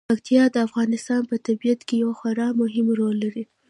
پکتیکا د افغانستان په طبیعت کې یو خورا مهم رول لري.